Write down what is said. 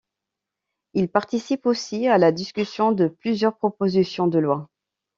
Il participe aussi à la discussion de plusieurs propositions de lois.